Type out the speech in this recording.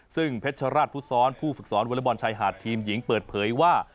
ซึ่งเพชรราชพุทธศรผู้ฝึกสอนวอเล็กบอลชายหาดทีมหญิงเปิดเผยว่า